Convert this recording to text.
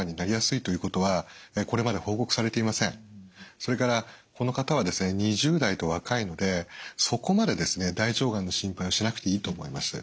それからこの方はですね２０代と若いのでそこまでですね大腸がんの心配をしなくていいと思います。